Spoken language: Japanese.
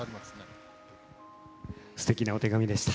すてきなお手紙でした。